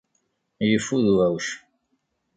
Yeffud ubɛuc.